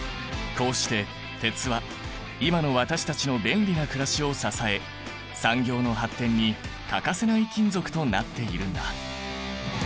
こうして鉄は今の私たちの便利なくらしを支え産業の発展に欠かせない金属となっているんだ。